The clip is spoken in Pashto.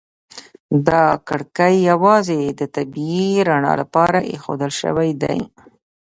دا کړکۍ یوازې د طبیعي رڼا لپاره ایښودل شوي دي.